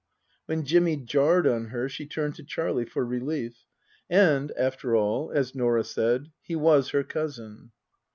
When Jimmy jarred on her she turned to Charlie for relief. And, after all, as Norah said, he was her cousin.